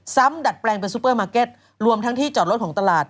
ดัดแปลงเป็นซูเปอร์มาร์เก็ตรวมทั้งที่จอดรถของตลาด